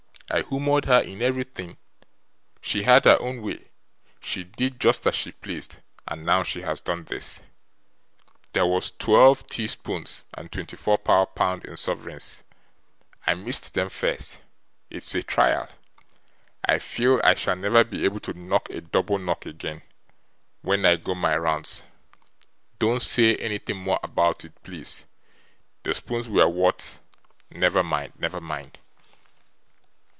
I humoured her in everything, she had her own way, she did just as she pleased, and now she has done this. There was twelve teaspoons and twenty four pound in sovereigns I missed them first it's a trial I feel I shall never be able to knock a double knock again, when I go my rounds don't say anything more about it, please the spoons were worth never mind never mind!